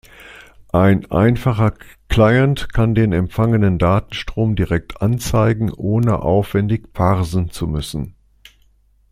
Ein einfacher Client kann den empfangenen Datenstrom direkt anzeigen, ohne aufwändig parsen zu müssen.